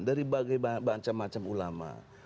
dari macam macam ulama